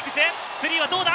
スリーはどうだ？